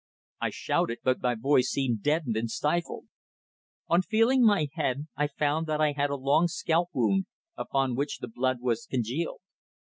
I shouted, but my voice seemed deadened and stifled. On feeling my head I found that I had a long scalp wound, upon which the blood was congealed.